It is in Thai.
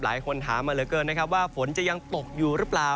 หลายคนถามมาเหลือเกินนะครับว่าฝนจะยังตกอยู่หรือเปล่า